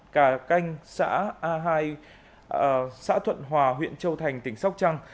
cả canh xã thuận hòa huyện châu thành tỉnh sóc trăng